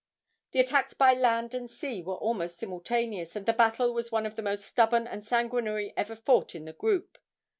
The attacks by land and sea were almost simultaneous, and the battle was one of the most stubborn and sanguinary ever fought in the group.